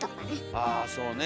あそうね。